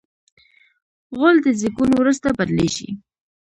غول د زیږون وروسته بدلېږي.